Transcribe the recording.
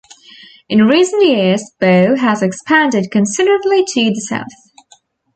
In recent years Bow has expanded considerably to the south.